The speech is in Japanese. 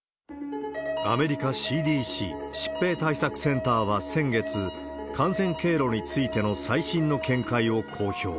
アメリカＣＤＣ・疾病対策センターは先月、感染経路についての最新の見解を公表。